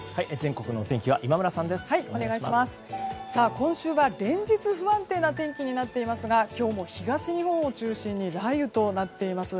今週は連日不安定な天気になっていますが今日も東日本を中心に雷雨となっています。